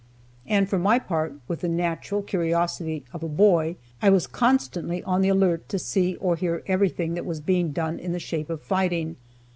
And, for my part, with the natural curiosity of a boy, I was constantly on the alert to see or hear everything that was being done in the shape of fighting.